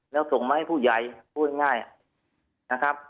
แล้วส่งมาให้ผู้ใหญ่พูดง่ายนะครับ